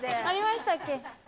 ありましたっけ？